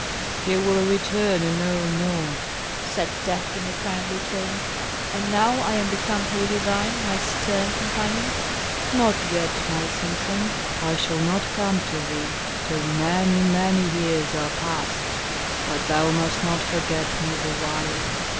"He will return no more," said Death, in a kindly tone. "And now I am become wholly thine, my stern companion?" "Not yet, my Sintram. I shall not come to thee till many, many years are past. But thou must not forget me the while."